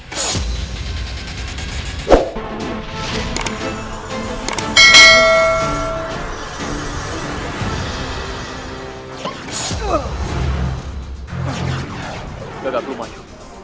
tidak tidak belum ayu